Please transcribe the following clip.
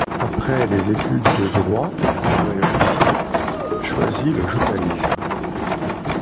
Après des études de droit, André Rousseaux choisit le journalisme.